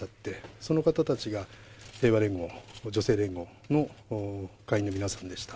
その方たちが平和連合、女性連合の会員の皆さんでした。